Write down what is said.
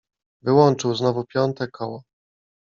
Wyłączył znowu piąte koło.